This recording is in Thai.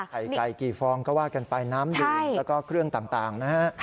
ไข่ไก่กี่ฟองก็ว่ากันไปน้ำดื่มแล้วก็เครื่องต่างนะฮะ